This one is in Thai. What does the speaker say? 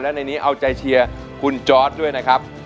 และในนี้เอาใจเชียร์คุณจอร์ดด้วยนะครับ